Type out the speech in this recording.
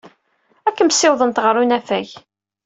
Ad kem-ssiwḍent ɣer unafag.